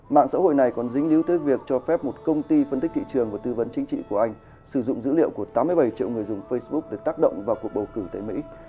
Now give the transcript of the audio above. mạng xã hội này còn dính líu tới việc cho phép một công ty phân tích thị trường và tư vấn chính trị của anh sử dụng dữ liệu của tám mươi bảy triệu người dùng facebook để tác động vào cuộc bầu cử tại mỹ